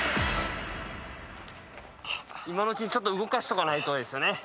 今のうちにちょっと動かしとかないとですよね。